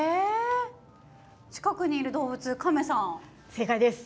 正解です。